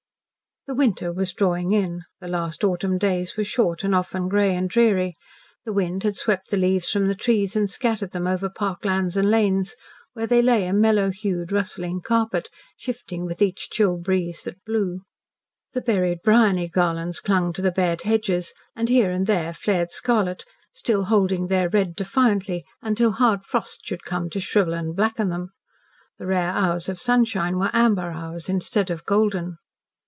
The winter was drawing in, the last autumn days were short and often grey and dreary; the wind had swept the leaves from the trees and scattered them over park lands and lanes, where they lay a mellow hued, rustling carpet, shifting with each chill breeze that blew. The berried briony garlands clung to the bared hedges, and here and there flared scarlet, still holding their red defiantly until hard frosts should come to shrivel and blacken them. The rare hours of sunshine were amber hours instead of golden.